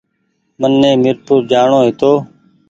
مني ميرپور جآڻو هيتو